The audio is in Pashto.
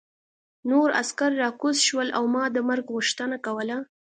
نور عسکر راکوز شول او ما د مرګ غوښتنه کوله